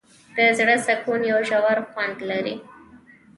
د زړه سکون یو ژور خوند لري.